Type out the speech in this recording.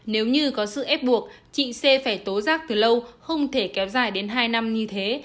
nếu như có sự ép buộc chị c phải tố giác từ lâu không thể kéo dài đến hai năm như thế